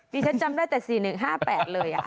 ฉันจำได้แต่๔๑๕๘เลย